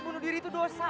bunuh diri itu dosa